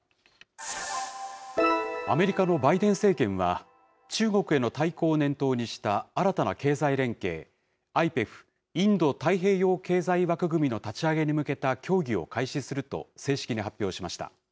アメリカのバイデン政権は、中国への対抗を念頭にした新たな経済連携、ＩＰＥＦ・インド太平洋経済枠組みの立ち上げに向けた協議を開始すると、正式に発表しました。